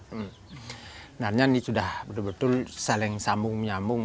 sebenarnya ini sudah betul betul saling sambung nyambung